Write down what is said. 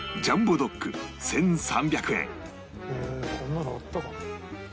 こんなのあったかな？